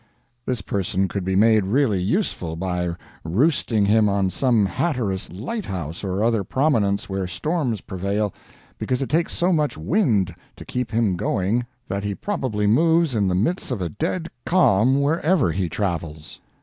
This person could be made really useful by roosting him on some Hatteras lighthouse or other prominence where storms prevail, because it takes so much wind to keep him going that he probably moves in the midst of a dead calm wherever he travels.